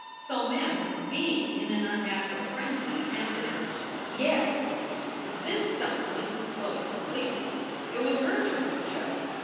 So Mem, being in an unnatural frenzy, answered, "Yes." This stumped Mrs. Sloat completely. It was her turn to choke.